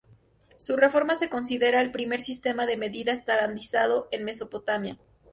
Su reforma se considera el primer sistema de medida estandarizado en Mesopotamia.